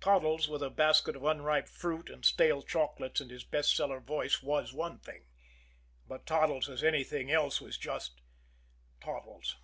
Toddles with a basket of unripe fruit and stale chocolates and his "best seller" voice was one thing; but Toddles as anything else was just Toddles.